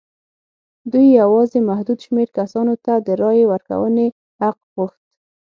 دوی یوازې محدود شمېر کسانو ته د رایې ورکونې حق غوښت.